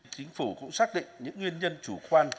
chính phủ cũng xác định những nguyên nhân chủ quan